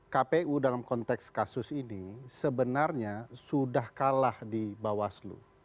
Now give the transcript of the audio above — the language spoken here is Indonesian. kpu dalam konteks kasus ini sebenarnya sudah kalah di bawaslu